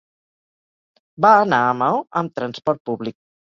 Va anar a Maó amb transport públic.